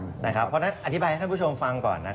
เพราะฉะนั้นอธิบายให้ท่านผู้ชมฟังก่อนนะ